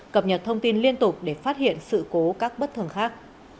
cập nhật thông tin liên tục để phát hiện sự cố các bất thường khác